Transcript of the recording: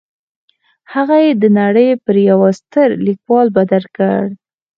هغه يې د نړۍ پر يوه ستر ليکوال بدل کړ.